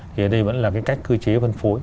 thì ở đây vẫn là cái cách cơ chế phân phối